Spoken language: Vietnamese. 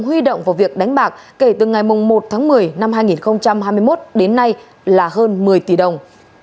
huy động vào việc đánh bạc kể từ ngày một tháng một mươi năm hai nghìn hai mươi một đến nay là hơn một mươi tỷ đồng